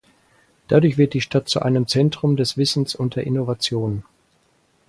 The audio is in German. Dadurch wird die Stadt zu einem Zentrum des Wissens und der Innovation.